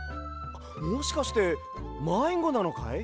もしかしてまいごなのかい？